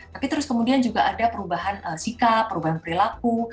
tapi terus kemudian juga ada perubahan sikap perubahan perilaku